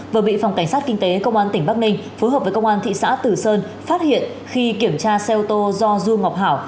vừa bị phòng cảnh sát kinh tế công an tỉnh bắc ninh phối hợp với công an thị xã tử sơn phát hiện khi kiểm tra xe ô tô do dương ngọc hảo